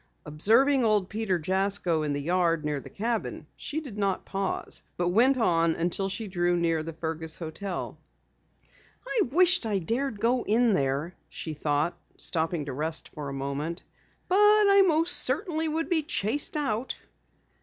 Observing old Peter Jasko in the yard near the cabin, she did not pause but went on until she drew near the Fergus hotel. "I wish I dared go in there," she thought, stopping to rest for a moment. "But I most certainly would be chased out."